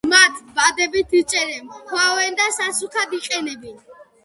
ზოგან მათ ბადეებით იჭერენ, ფქვავენ და სასუქად იყენებდნენ.